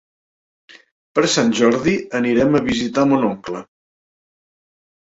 Per Sant Jordi anirem a visitar mon oncle.